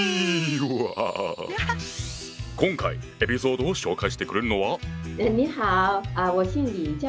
今回エピソードを紹介してくれるのは？